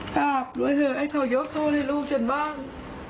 กราบรวยเถอะให้เขายกโทษให้ลูกฉันบ้าง